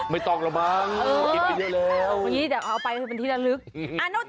ไม่ต้องระมังกินไปเร็ว